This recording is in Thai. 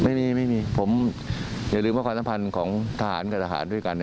ไม่มีไม่มีผมอย่าลืมว่าความสัมพันธ์ของทหารกับทหารด้วยกัน